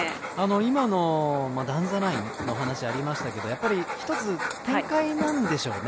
今のダウン・ザ・ラインの話ありましたけどやっぱり、一つ展開なんでしょうね。